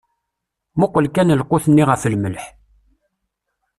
Muqel kan lqut-nni ɣef lmelḥ.